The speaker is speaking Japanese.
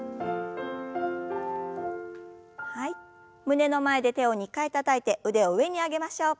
胸の前で手を２回たたいて腕を上に上げましょう。